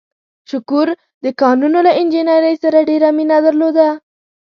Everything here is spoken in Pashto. شکور د کانونو له انجنیرۍ سره ډېره مینه درلوده.